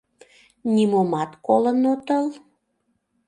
Нимомат колын отыл?